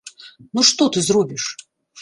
Ну што ты зробіш?